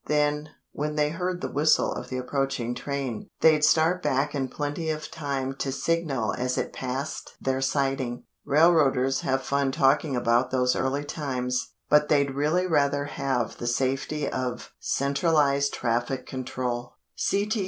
Then, when they heard the whistle of the approaching train, they'd start back in plenty of time to signal as it passed their siding. Railroaders have fun talking about those early times, but they'd really rather have the safety of Centralized Traffic Control.